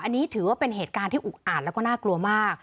อันนี้ถือว่าเป็นเหตุการณ์ที่อุกอาดแล้วก็น่ากลัวมาก